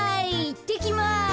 いってきます。